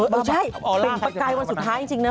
ไม่ใช่เป็นประกายวันสุดท้ายจริงนะ